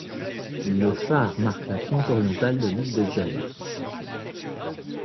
Le phare marque la pointe orientale de l'île de Djerba.